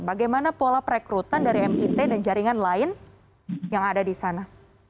bagaimana pola perekrutan dari mit dan jaringan lain yang ada di sana